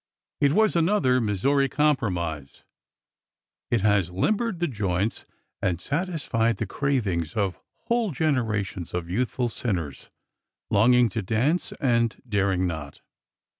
It was another " Mis souri Compromise." It has limbered the joints and satis fied the cravings of whole generations of youthful sin ners longing to dance and daring not.